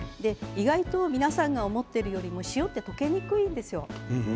皆さんが思っているより塩は溶けにくいんですよ。